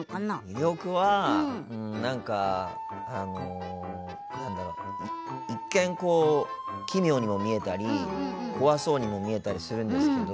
魅力は、なんか一見、奇妙にも見えたり怖そうにも見えたりするんですけど